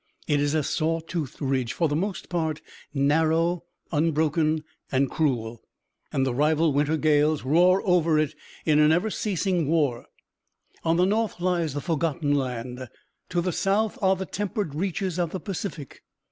It is a saw toothed ridge, for the most part narrow, unbroken, and cruel, and the rival winter gales roar over it in a never ceasing war. On the north lies the Forgotten Land, to the south are the tempered reaches of the Pacific.